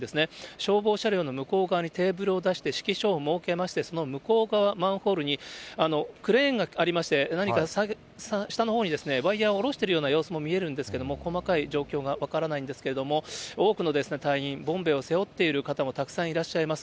消防車両の向こう側にテーブルを出して指揮所を設けまして、その向こう側、マンホールにクレーンがありまして、何か下のほうにワイヤーを下ろしているような様子も見えるんですけども、細かい状況が分からないんですけれども、多くの隊員、ボンベを背負っている方もたくさんいらっしゃいます。